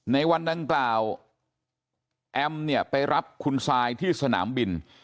ในวันดังกล่าวแอมเนี่ยไปรับคุณซายที่สนามบิน